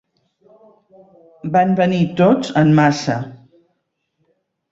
Van venir tots en massa.